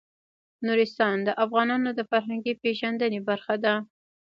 نورستان د افغانانو د فرهنګي پیژندنې برخه ده.